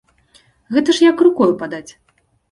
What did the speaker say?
Гэта ж як рукою падаць.